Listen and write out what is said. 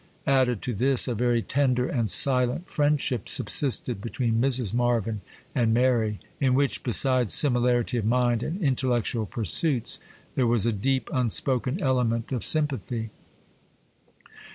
Added to this, a very tender and silent friendship subsisted between Mrs. Marvyn and Mary; in which, besides similarity of mind and intellectual pursuits, there was a deep, unspoken element of sympathy.